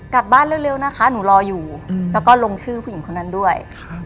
กลับบ้านเร็วนะคะหนูรออยู่แล้วก็ลงชื่อผู้หญิงคนนั้นด้วย